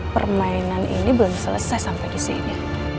permainan ini belum selesai sampai disini